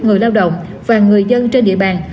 người lao động và người dân trên địa bàn